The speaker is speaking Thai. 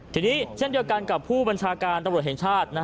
ทีนี้เช่นเดียวกันกับผู้บัญชาการตำรวจแห่งชาติ